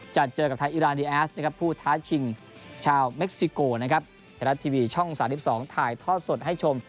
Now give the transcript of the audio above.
จะเจอกับทางอิราดีแอสนะครับผู้ท้าชิงชาวเม็กซิโกนะครับไทยรัฐทีวีช่อง๓๒ถ่ายทอดสดให้ชม